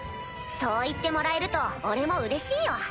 そう言ってもらえると俺もうれしいよ。